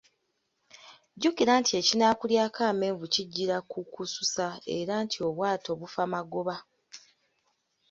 Jjukira nti ekinaakulyako amenvu kijjira kukususa, era nti obwato bufa magoba.